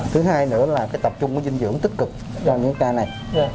thứ hai nữa là cái tập trung với dinh dưỡng tích cực trong những ca này